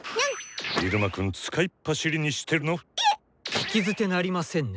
聞き捨てなりませんね。